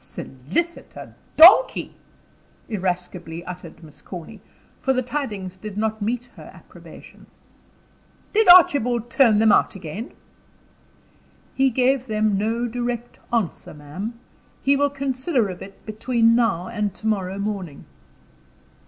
"Solicit a donkey!" irascibly uttered Miss Corny, for the tidings did not meet her approbation. "Did Archibald turn them out again?" "He gave them no direct answer, ma'am. He will consider of it between now and to morrow morning."